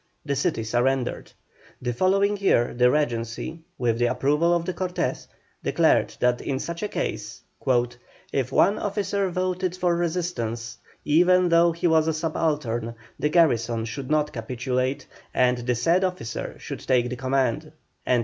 The city surrendered. The following year the Regency, with the approval of the Cortes, declared that in such a case, "if one officer voted for resistance, even though he was a subaltern, the garrison should not capitulate, and the said officer should take the command."